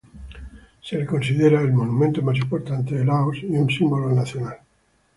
Es considerada el monumento más importante de Laos y un símbolo nacional.